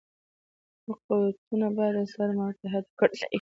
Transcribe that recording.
ټول قوتونه باید سره متحد کړه شي.